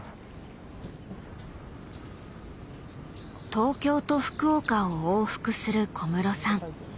東京と福岡を往復する小室さん。